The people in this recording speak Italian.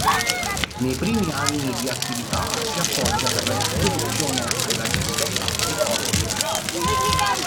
Nei primi anni di attività si appoggia per la distribuzione alla Dischi Ricordi.